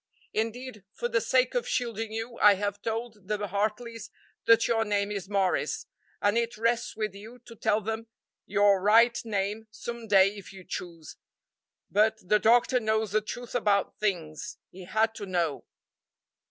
Indeed, for the sake of shielding you, I have told the Hartleys that your name is Morris, and it rests with you to tell them your right name some day if you choose; hut the doctor knows the truth about things he had to know."